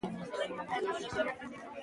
د خلکو د پيسو خوندیتوب زموږ لومړیتوب دی۔